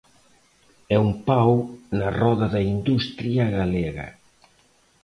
É un pau na roda da industria galega.